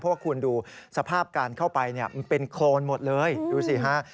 เพราะว่าคุณดูสภาพการเข้าไปเนี่ยมันเป็นโครนหมดเลยดูสิฮะ